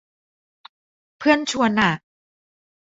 เพื่อนชวน อะ